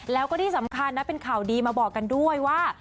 แล้วก็ที่สำคัญนะเป็นข่าวดีมาบอกกันด้วยว่า